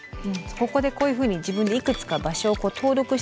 ここでこういうふうに自分でいくつか場所を登録して。